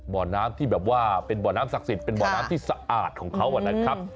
บ่อน้ำที่แบบว่าเป็นบ่อน้ำศักดิ์สิทธิ์เป็นบ่อน้ำที่สะอาดของเขานะครับ